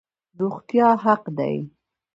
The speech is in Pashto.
روغتیا حق دی